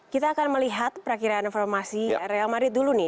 kita akan melihat perakhiran informasi real madrid dulu nih